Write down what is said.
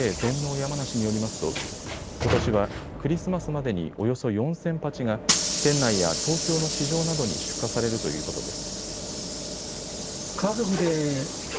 やまなしによりますとことしは、クリスマスまでにおよそ４０００鉢が県内や東京の市場などに出荷されるということです。